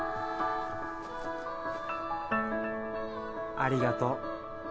ありがとう。